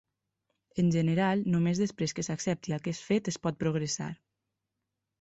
En general, només després que s'accepti aquest fet es pot progressar.